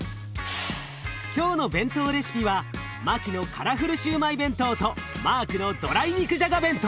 今日の弁当レシピはマキのカラフルシューマイ弁当とマークのドライ肉じゃが弁当。